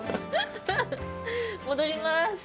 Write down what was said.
戻ります。